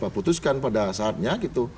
putuskan pada saatnya